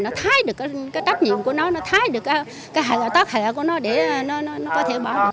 nó thái được cái trách nhiệm của nó nó thái được cái tác hệ của nó để nó có thể bảo